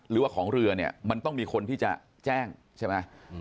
หรือว่าของเรือเนี่ยมันต้องมีคนที่จะแจ้งใช่ไหม